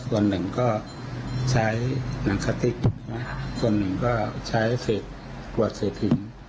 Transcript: วันหนึ่งก็ใช้หนังคติกส่วนหนึ่งก็ใช้เศษขวดเศษหิน